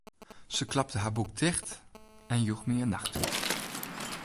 Se klapte har boek ticht en joech my in nachttút.